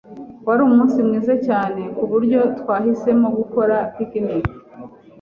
Wari umunsi mwiza cyane kuburyo twahisemo gukora picnic.